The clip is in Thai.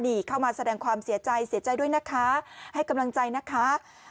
นี่เข้ามาแสดงความเสียใจเสียใจด้วยนะคะให้กำลังใจนะคะ